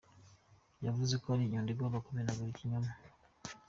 Yavuze ko ari inyundo igomba kumenagura ikinyoma